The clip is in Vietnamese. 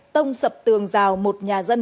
tông sập tường rào một nhà dân